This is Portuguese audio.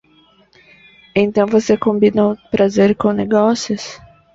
Então você combinou prazer com negócios!